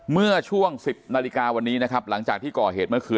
เมื่อช่วง๑๐นาฬิกาวันนี้นะครับหลังจากที่ก่อเหตุเมื่อคืน